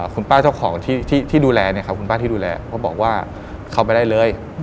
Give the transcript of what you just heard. คุณป้าเจ้าของที่ดูแลเนี่ยครับคุณป้าที่ดูแลเขาบอกว่าเข้าไปได้เลย